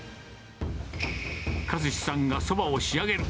克司さんがそばを仕上げる。